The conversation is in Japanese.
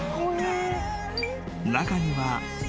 ［中には］